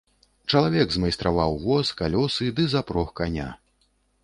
Чалавек змайстраваў воз, калёсы ды запрог каня.